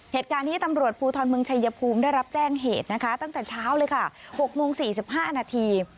เหตุการณ์นี้ตำรวจภูทรเมืองชายภูมิได้รับแจ้งเหตุนะคะตั้งแต่เช้าเลยค่ะ๖โมง๔๕นาที